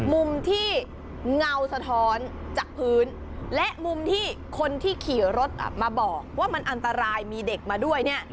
มุมที่เงาสะท้อนจากพื้นและมุมที่คนที่ขี่รถมาบอกว่ามันอันตรายมีเด็กมาด้วยเนี่ย